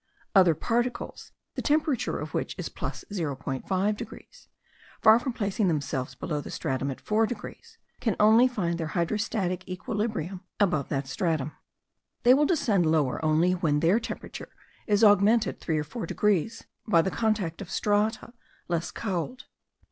Other particles, the temperature of which is +0.5 degrees, far from placing themselves below the stratum at 4 degrees, can only find their hydrostatic equilibrium above that stratum. They will descend lower only when their temperature is augmented 3 or 4 degrees by the contact of strata less cold.